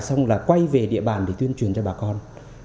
xong là quay về địa bàn để tuyên truyền cho bà con